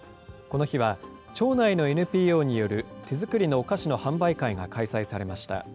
この日は、町内のＮＰＯによる手作りのお菓子の販売会が開催されました。